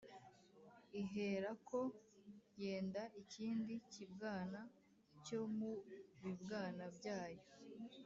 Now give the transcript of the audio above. iherako yenda ikindi kibwana cyo mu bibwana byayo